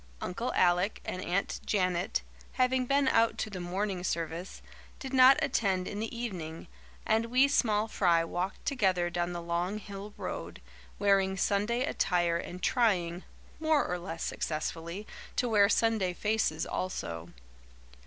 Uncle Alec and Aunt Janet, having been out to the morning service, did not attend in the evening, and we small fry walked together down the long hill road, wearing Sunday attire and trying, more or less successfully, to wear Sunday faces also.